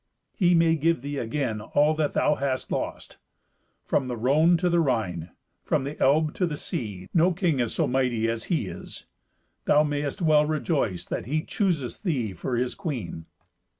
He may give thee again all that thou hast lost. From the Rhone to the Rhine, from the Elbe to the sea, no king is so mighty as he is. Thou mayest well rejoice that he chooseth thee for his queen."